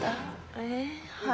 えはい。